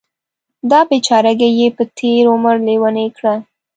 دا بیچارګۍ یې په تېر عمر لیونۍ کړه.